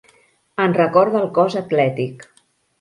En recorda el cos atlètic.